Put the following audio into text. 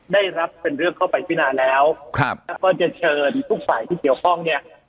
ได้รับเป็นเรื่องเข้าไปพินาแล้วครับแล้วก็จะเชิญทุกฝ่ายที่เกี่ยวข้องเนี่ย